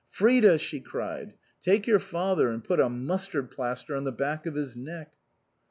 "Frida," she cried, " take your father and put a mustard plaster on the back of his neck."